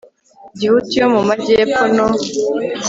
gihutu yo mu magepfo no